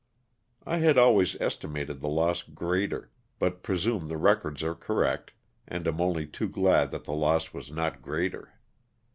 I had always estimated the loss greater, but presume the records are correct and am only too glad that the loss was not greater.